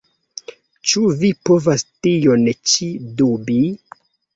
Ĉu vi povas tion ĉi dubi?